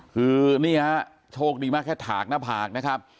คือนี่ฮะโชคดีมากแค่ถากหน้าผากนะครับ